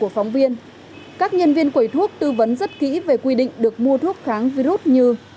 không xảy ra tình trạng đông đúc bởi quy định mua thuốc kháng virus như